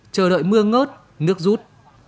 chờ đợi mưa ngớt nước rút